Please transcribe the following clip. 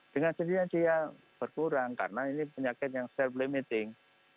dengan sendirinya dia berkurang karena ini penyakit yang self limiting